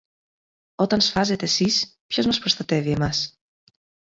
"Όταν σφάζετε σεις, ποιος μας προστατεύει εμάς;"